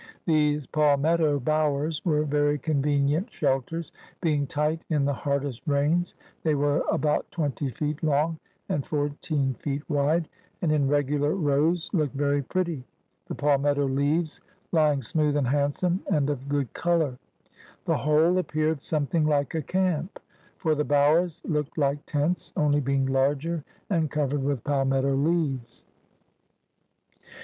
These Palmetto Bowers were very convenient shelters, being tight in the hardest Bains; they were about 20 Feet long and 14 Feet wide, and in regular Bows looked very pretty, the Palmetto Leaves lying smooth and handsome, and of a good Colour. The whole appeared something like a Camp; for the Bowers looked like Tents, only being larger and covered with Palmetto Leaves.'